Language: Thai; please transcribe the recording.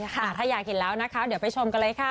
ถ้าอยากเห็นแล้วนะคะเดี๋ยวไปชมกันเลยค่ะ